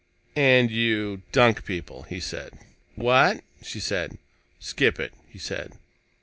"And you dunk people," he said. "What?" she said. "Skip it," he said.